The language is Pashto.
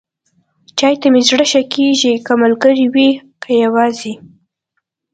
چای ته مې زړه ښه کېږي، که ملګری وي، که یواځې.